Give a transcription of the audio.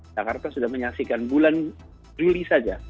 jakarta sudah menyaksikan bulan juli saja